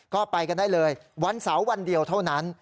ก็ไปกันได้เลยวันเสาร์วันเดียวเท่านั้น